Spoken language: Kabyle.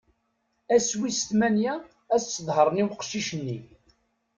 Ass wis tmanya, ad s-sḍehren i uqcic-nni.